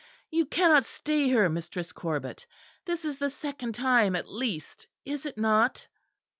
"You cannot stay here, Mistress Corbet. This is the second time at least, is it not?"